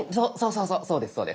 そうそうそうですそうです。